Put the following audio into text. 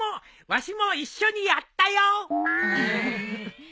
わしも一緒にやったよ。